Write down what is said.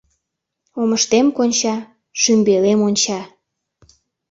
Омыштем конча: шӱмбелем онча.